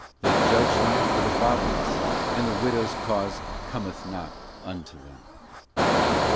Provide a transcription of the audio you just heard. They judge not for the fatherless ; and the widow's cause cometh not unto them.